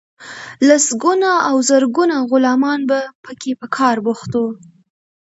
لسګونه او زرګونه غلامان به پکې په کار بوخت وو.